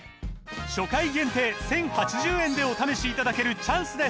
初回限定１，０８０円でお試しいただけるチャンスです